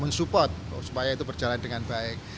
mensupport supaya itu berjalan dengan baik